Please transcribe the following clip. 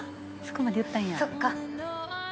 そっか。